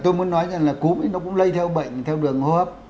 tôi muốn nói rằng là cúm ấy nó cũng lây theo bệnh theo đường hô hấp